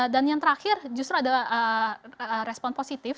dan yang terakhir justru ada respon positif